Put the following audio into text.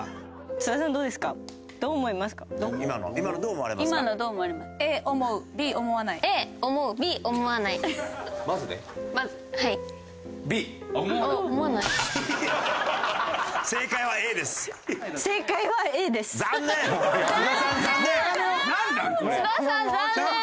津田さん残念です！